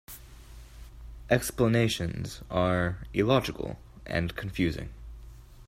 Explanations are illogical and confusing.